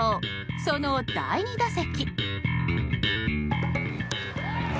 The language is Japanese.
その第２打席。